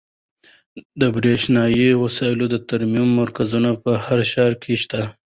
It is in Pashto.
د برښنایي وسایلو د ترمیم مرکزونه په هر ښار کې شته.